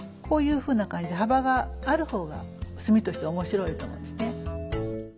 こういうふうな感じで幅がある方が墨としては面白いと思うんですね。